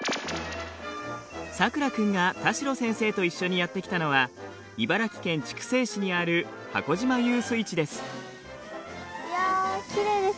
さくら君が田代先生と一緒にやって来たのは茨城県筑西市にあるいや